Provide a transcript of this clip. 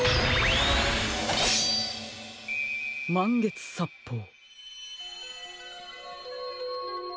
まんげつさっぽう。